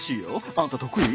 あんた得意？